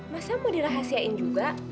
masnya mau dirahasiain juga